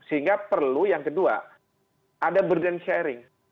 sehingga perlu yang kedua ada burden sharing